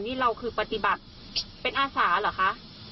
นี่เราคือปฏิบัติเป็นอาสาเหรอคะ